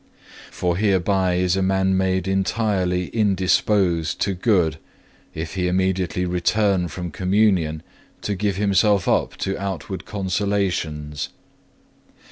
For hereby is a man made entirely indisposed to good, if he immediately return from Communion to give himself up to outward consolations.